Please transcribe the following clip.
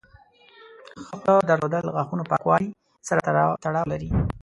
ښه خوله درلودل د غاښونو پاکوالي سره تړاو لري.